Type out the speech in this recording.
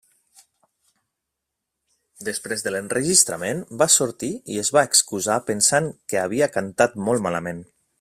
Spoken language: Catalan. Després de l'enregistrament, va sortir i es va excusar pensat que havia cantat molt malament.